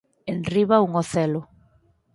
Enriba un ocelo.